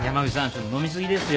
ちょっと飲み過ぎですよ。